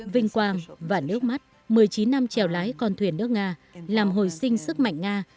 vinh quang và nước mắt một mươi chín năm trèo lái con thuyền nước nga làm hồi sinh sức mạnh nga